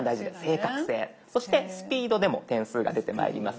そしてスピードでも点数が出てまいります。